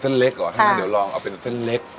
เส้นเล็กหรองั้นเดี๋ยวลองเอาเป็นเส้นเล็ก